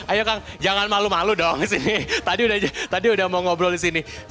ayo kang jangan malu malu dong sini tadi udah mau ngobrol di sini